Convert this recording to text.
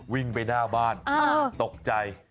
วิ่งไปหน้าบ้านตกใจ